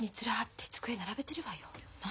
何？